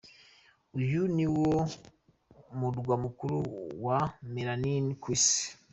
Uyu ni wo murwa mukuru wa ’Melanin’ ku isi.